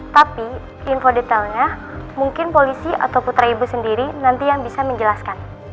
tapi info detailnya mungkin polisi atau putra ibu sendiri nanti yang bisa menjelaskan